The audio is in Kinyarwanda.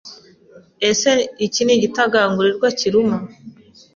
Ese iki gitagangurirwa kiruma?